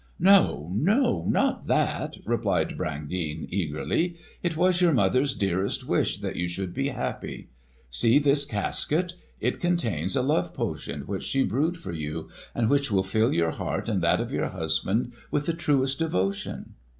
"No, no, not that!" replied Brangeane eagerly. "It was your mother's dearest wish that you should be happy. See this casket? It contains a love potion which she brewed for you, and which will fill your heart and that of your husband with the truest devotion."